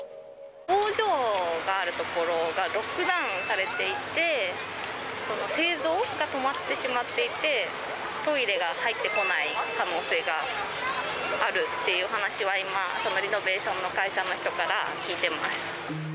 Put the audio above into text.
工場がある所がロックダウンされていて、その製造が止まってしまっていて、トイレが入ってこない可能性があるっていう話は今、リノベーションの会社の人から聞いています。